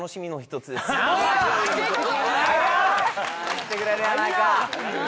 言ってくれるやないか